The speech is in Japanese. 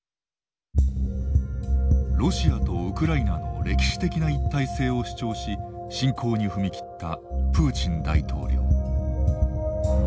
ロシアとウクライナの歴史的な一体性を主張し侵攻に踏み切ったプーチン大統領。